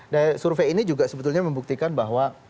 dan survei ini juga sebetulnya membuktikan bahwa